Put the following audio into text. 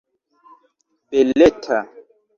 beleta